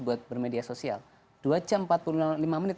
buat bermedia sosial dua jam empat puluh lima menit